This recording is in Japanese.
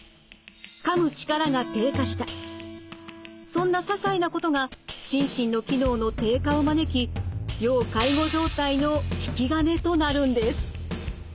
そんなささいなことが心身の機能の低下を招き要介護状態の引き金となるんです。